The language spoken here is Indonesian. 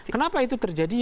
kenapa itu terjadi